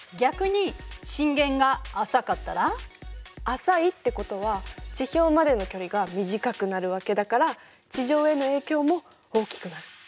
浅いってことは地表までの距離が短くなるわけだから地上への影響も大きくなる。